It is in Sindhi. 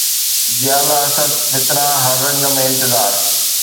جيالا اسد فتنه هر رنگ ۾ انتظار